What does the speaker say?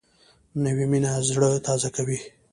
نوې مینه زړه تازه کوي